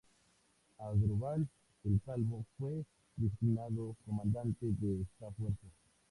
Asdrúbal el Calvo fue designado comandante de esta fuerza.